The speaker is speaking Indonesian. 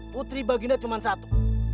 putri baginda cuma satu